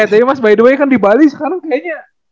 katanya mas by the way kan di bali sekarang kayaknya